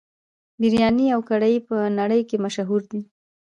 بریاني او کري په نړۍ کې مشهور دي.